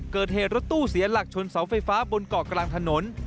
เกิดเหตุรถตู้เสียหลักชนเสาไฟฟ้าบนเกาะกลางถนน